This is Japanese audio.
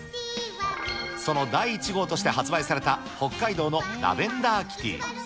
その第１号として発売された北海道のラベンダーキティ。